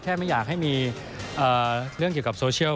ไม่อยากให้มีเรื่องเกี่ยวกับโซเชียล